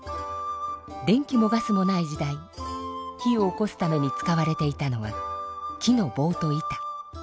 電気もガスもない時代火をおこすために使われていたのは木のぼうと板。